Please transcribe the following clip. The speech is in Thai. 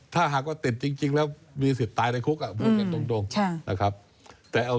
ถ้าหากติดจริงแล้วมีสิทธิ์ตายในคุกพูดกันตรง